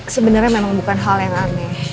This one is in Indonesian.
sebenarnya memang bukan hal yang aneh